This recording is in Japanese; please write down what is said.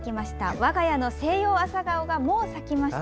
我が家のセイヨウアサガオがもう咲きました。